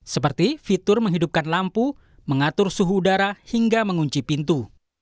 seperti fitur menghidupkan lampu mengatur suhu udara hingga mengunci pintu